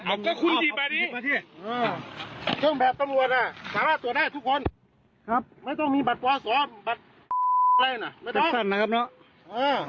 ไม่ต้อง